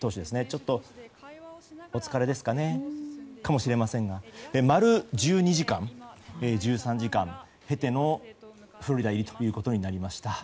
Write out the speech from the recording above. ちょっとお疲れかもしれませんが丸１２時間、１３時間経てのフロリダ入りとなりました。